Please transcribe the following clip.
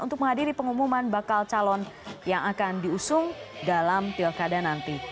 untuk menghadiri pengumuman bakal calon yang akan diusung dalam pilkada nanti